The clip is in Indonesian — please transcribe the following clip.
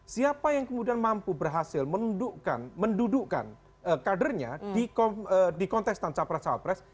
siapa yang kemudian mampu berhasil mendudukkan kadernya di kontestan capres capres